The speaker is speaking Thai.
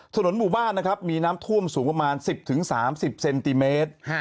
ถนนหมู่บ้านนะครับมีน้ำท่วมสูงประมาณ๑๐๓๐เซนติเมตร